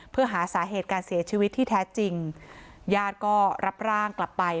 เพื่อหาสาเหตุการเสียชีวิตที่แท้จริงญาติก็รับร่างกลับไป